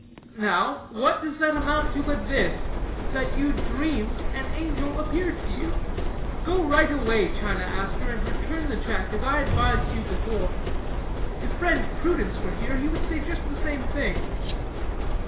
Now, what does that amount to but this, that you dreamed an angel appeared to you? Go right away, China Aster, and return the check, as I advised you before. If friend Prudence were here, he would say just the same thing.'